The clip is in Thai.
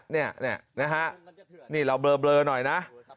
นี่นะฮะนี่เราเบลอหน่อยนะ